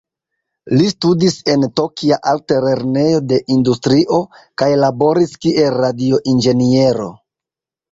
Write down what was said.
Li studis en Tokia altlernejo de industrio, kaj laboris kiel radio-inĝeniero.